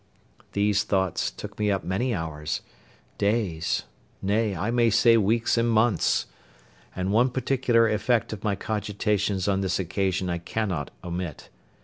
These thoughts took me up many hours, days, nay, I may say weeks and months: and one particular effect of my cogitations on this occasion I cannot omit.